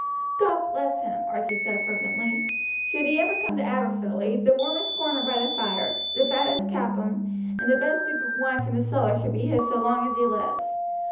"God bless him!" Archie said fervently. "Should he ever come to Aberfilly the warmest corner by the fire, the fattest capon, and the best stoop of wine from the cellar shall be his so long as he lives.